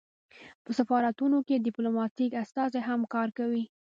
په سفارتونو کې ډیپلوماتیک استازي هم کار کوي